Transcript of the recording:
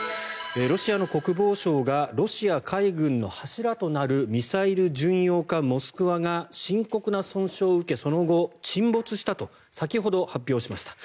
ロシアの国防省がロシア海軍の柱となるミサイル巡洋艦「モスクワ」が深刻な損傷を受けその後、沈没したと先ほど発表しました。